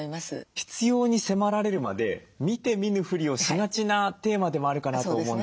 必要に迫られるまで見て見ぬふりをしがちなテーマでもあるかなと思うんですよね。